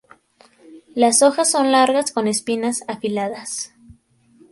Las hojas son largas con espinas afiladas.